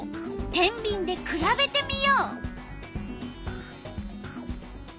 てんびんでくらべてみよう！